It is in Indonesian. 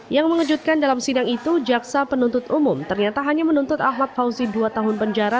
yang mengejutkan dalam sidang itu jaksa penuntut umum ternyata hanya menuntut ahmad fauzi dua tahun penjara